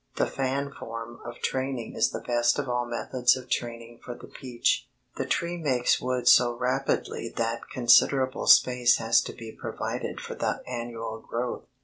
The fan form of training is the best of all methods of training for the peach. The tree makes wood so rapidly that considerable space has to be provided for the annual growth.